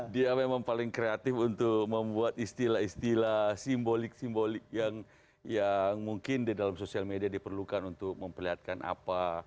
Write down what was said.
dia memang paling kreatif untuk membuat istilah istilah simbolik simbolik yang mungkin di dalam sosial media diperlukan untuk memperlihatkan apa